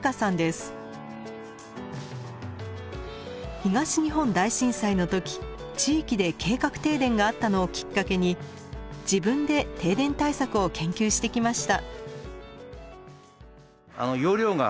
東日本大震災の時地域で計画停電があったのをきっかけに自分で停電対策を研究してきました。